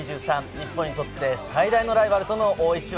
日本にとって最大のライバルとの大一番。